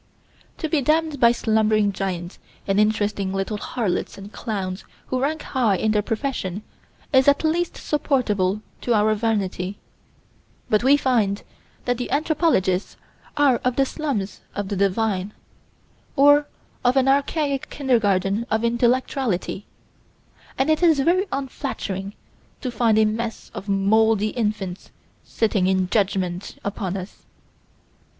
To be damned by slumbering giants and interesting little harlots and clowns who rank high in their profession is at least supportable to our vanity; but, we find that the anthropologists are of the slums of the divine, or of an archaic kindergarten of intellectuality, and it is very unflattering to find a mess of moldy infants sitting in judgment upon us.